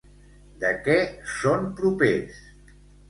De què són propers?